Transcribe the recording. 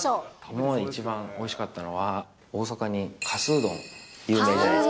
今までで一番おいしかったのは、大阪のかすうどん、有名じゃないですか。